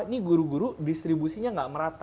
ini guru guru distribusinya nggak merata